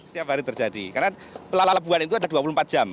setiap hari terjadi karena pelalabuhan itu ada dua puluh empat jam